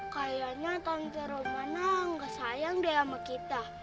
kayaknya tante romana nggak sayang deh sama kita